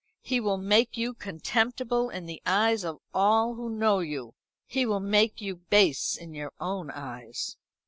He will make you contemptible in the eyes of all who know you. He will make you base in your own eyes."